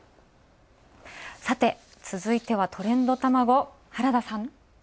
さて続いては、「トレンドたまご」、原田さん。